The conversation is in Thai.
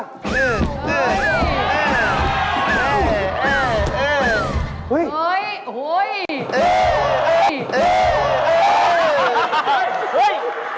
สวัสดี